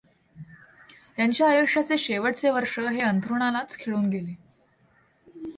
त्यांच्या आयुष्याचे शेवटचे वर्ष हे अंथरूणालाच खिळून गेले.